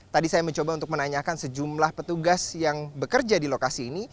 tadi saya mencoba untuk menanyakan sejumlah petugas yang bekerja di lokasi ini